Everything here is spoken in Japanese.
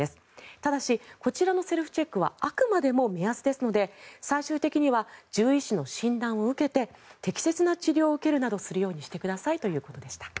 ただしこちらのセルフチェックはあくまでも目安ですので最終的には獣医師の診断を受けて適切な治療を受けるなどしてくださいということでした。